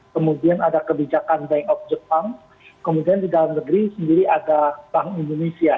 kemudian ada kebijakan bank of jepang kemudian di dalam negeri sendiri ada bank indonesia